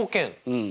うん。